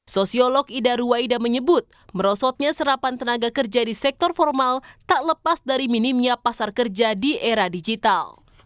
sosiolog ida ruwaida menyebut merosotnya serapan tenaga kerja di sektor formal tak lepas dari minimnya pasar kerja di era digital